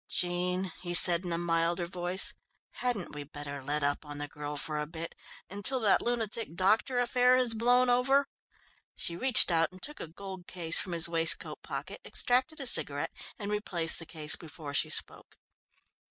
"Jean," he said in a milder voice, "hadn't we better let up on the girl for a bit until that lunatic doctor affair has blown over?" She reached out and took a gold case from his waistcoat pocket, extracted a cigarette and replaced the case before she spoke.